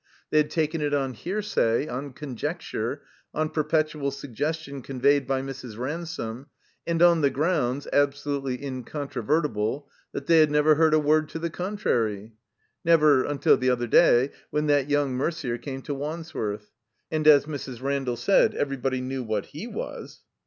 They had taken it on hearsay, on con jecture, on perpetual suggestion conveyed by Mrs. Ransome, and on the grounds — ^absolutely incon trovertible — ^that they had never heard a word to the contrary. Never, until the other day, when that young Merder came to Wandsworth. And, as Mrs. Randall said, everybody knew what he was.